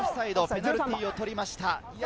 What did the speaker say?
ペナルティーを取りました。